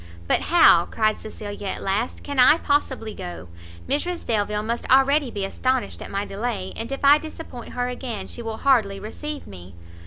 "But how," cried Cecilia at last, "can I possibly go? Mrs Delvile must already be astonished at my delay, and if I disappoint her again she will hardly receive me."